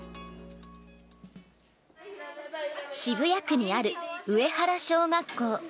渋谷区にある上原小学校。